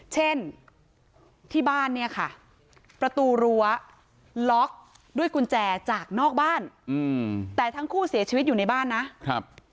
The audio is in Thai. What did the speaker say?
เช่นที่บ้านเนี่ยค่ะประตูรั้วล็อกด้วยกุญแจจากนอกบ้านแต่ทั้งคู่เสียชีวิตอยู่ในบ้านนะครับ